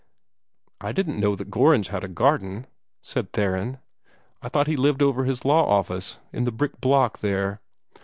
"I didn't know that Gorringe had a garden," said Theron. "I thought he lived over his law office, in the brick block, there."